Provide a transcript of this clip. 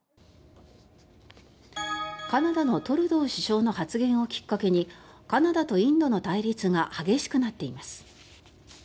カナダのトルドー首相の発言をきっかけにカナダとインドの対立が激しくなっています。